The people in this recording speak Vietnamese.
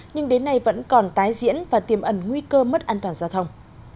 nhưng đến nay vẫn còn tái diễn và tiềm ẩn nguy cơ mất an toàn giao thông